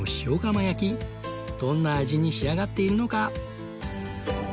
どんな味に仕上がっているのか？